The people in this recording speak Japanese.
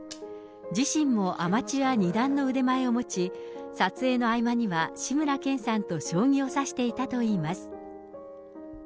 自身もアマチュア二段の腕前を持ち、撮影の合間には志村けんさんと将棋を指していたといいます。